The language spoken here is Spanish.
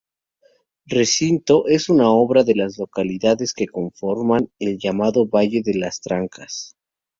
Recinto es una de las localidades que conforman el llamado Valle de las Trancas.